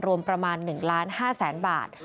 รวมประมาณ๑ล้าน๕แสนบาท